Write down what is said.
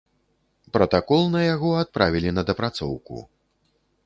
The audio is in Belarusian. Пратакол на яго адправілі на дапрацоўку.